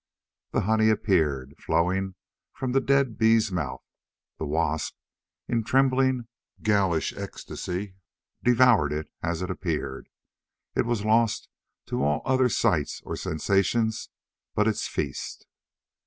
The honey appeared, flowing from the dead bee's mouth. The wasp, in trembling, ghoulish ecstasy, devoured it as it appeared. It was lost to all other sights or sensations but its feast.